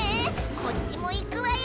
こっちもいくわよ！